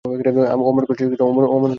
অমন করছিস কেন?